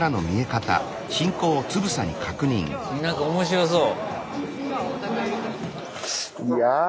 なんか面白そう。